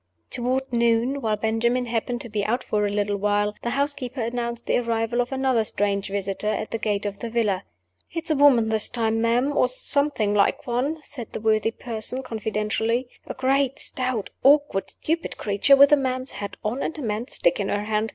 Toward noon (while Benjamin happened to be out for a little while) the housekeeper announced the arrival of another strange visitor at the gate of the villa. "It's a woman this time, ma'am or something like one," said this worthy person, confidentially. "A great, stout, awkward, stupid creature, with a man's hat on and a man's stick in her hand.